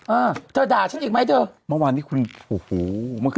อ่าเธอด่าฉันอีกไหมเถอะเมื่อวานที่คุณออกมา